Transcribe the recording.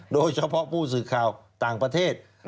โดยเฉพาะผู้สื่อข่าวต่างประเทศ